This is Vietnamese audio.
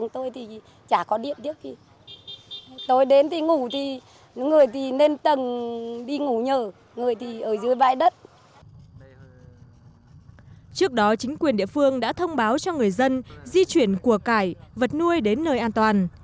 trước đó chính quyền địa phương đã thông báo cho người dân di chuyển của cải vật nuôi đến nơi an toàn